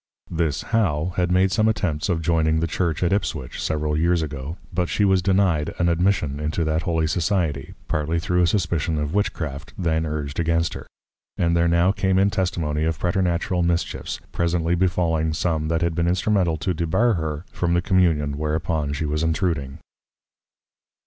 This How had made some Attempts of joyning to the Church at Ipswich, several years ago; but she was denyed an admission into that Holy Society, partly through a suspicion of Witchcraft, then urged against her. And there now came in Testimony, of preternatural Mischiefs, presently befalling some that had been Instrumental to debar her from the Communion whereupon she was intruding.